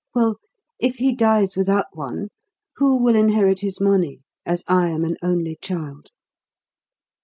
Well, if he dies without one, who will inherit his money, as I am an only child?"